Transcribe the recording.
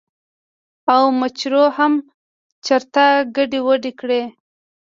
او مچرو هم چرته کډې وکړې ـ